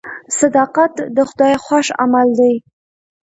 صداقت د خدای خوښ عمل دی.